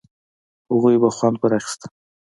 هغوی به خوند پر اخيسته.